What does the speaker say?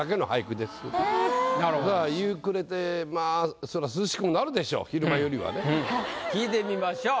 だから夕暮れてまあそら涼しくなるでしょう昼間よりはね。聞いてみましょう。